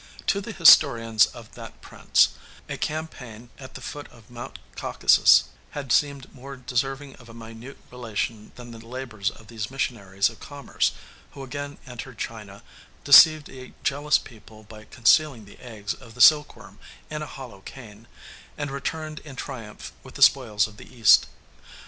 To the historians of that prince, a campaign at the foot of Mount Caucasus has seemed more deserving of a minute relation than the labors of these missionaries of commerce, who again entered China, deceived a jealous people by concealing the eggs of the silkworm in a hollow cane, and returned in triumph with the spoils of the East.